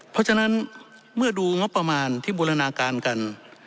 เพราะฉะนั้นเมื่อดูงบประมาณที่บูรณาการกัน